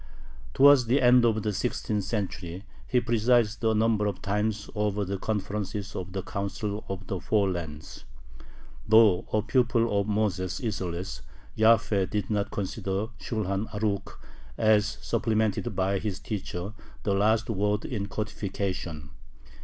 Towards the end of the sixteenth century he presided a number of times over the conferences of the "Council of the Four Lands." Though a pupil of Moses Isserles, Jaffe did not consider the Shulhan Arukh as supplemented by his teacher the last word in codification.